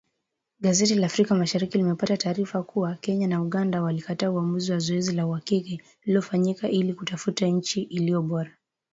Gazeti la Afrika Mashariki limepata taarifa kuwa, Kenya na Uganda walikataa uamuzi wa zoezi la uhakiki lililofanyika ili kutafuta nchi iliyo bora